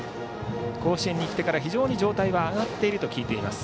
甲子園に来てから非常に状態は上がっていると聞いています。